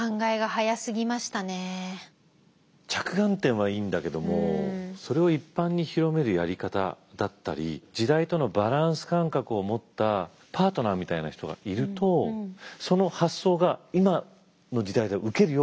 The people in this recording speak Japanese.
着眼点はいいんだけどもそれを一般に広めるやり方だったり時代とのバランス感覚を持ったパートナーみたいな人がいるとその発想が「今の時代だとウケるよ」